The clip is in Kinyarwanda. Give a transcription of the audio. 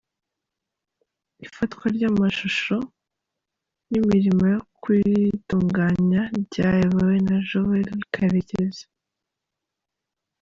Ifatwa ry’amashusho n’imirimo yo kuyitunganya ryayobowe na Joel Karekezi.